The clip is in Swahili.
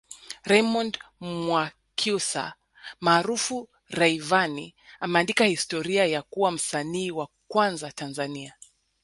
Raymond Mwakyusa maarufu Rayvanny ameandika historia ya kuwa msanii wa kwanza Tanzania